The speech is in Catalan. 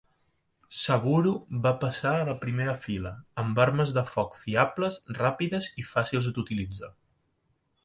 Seburo va passar a la primera fila amb armes de foc fiables ràpides i fàcils d'utilitzar.